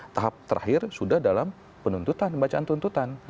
tahap terakhir sudah dalam penuntutan bacaan tuntutan